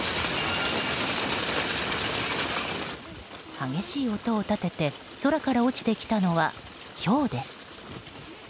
激しい音を立てて空から落ちてきたのはひょうです。